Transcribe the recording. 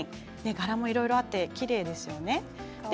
柄もいろいろあってきれいですよね。